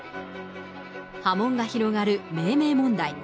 波紋が広がる命名問題。